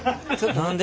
何で？